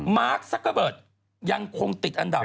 มาร์คซักเกอร์เบิร์ตยังคงติดอันดับ